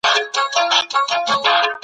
د تورن کس د پېژندنې لپاره پلټني ترسره کیږي.